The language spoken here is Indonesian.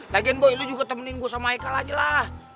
lagian boy lu juga temenin gue sama eka lagi lah